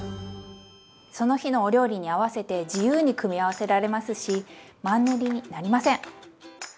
その日のお料理に合わせて自由に組み合わせられますしマンネリになりません！